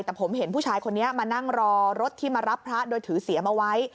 แต่ผมเห็นผู้ชายคนนี้มานั่งรอรถที่มารับพระโดยถือเสียมเอาไว้